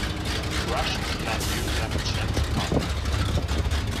Crushed, Lan Yu left Chen's apartment.